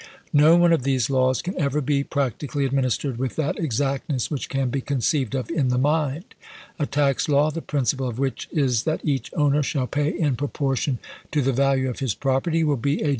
No one of these laws can ever be practically administered with that exactness which can be conceived of in the mind. A tax law, the principle of which is that each owner shall pay in proportion to the value of his property, will be a 56 ABRAHAM LINCOLN chap. ii.